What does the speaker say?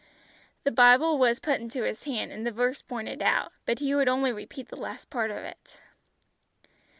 The Bible was put into his hand, and the verse pointed out, but he would only repeat the last part of it.